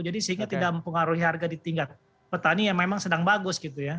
jadi sehingga tidak mempengaruhi harga di tingkat petani yang memang sedang bagus gitu ya